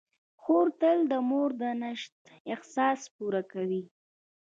خور تل د مور د نشت احساس پوره کوي.